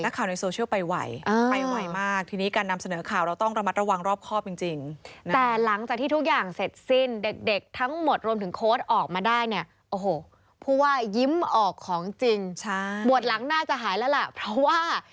เพราะว่ายิ้มออกของจริงบวชหลังหน้าจะหายแล้วแหละเพราะว่า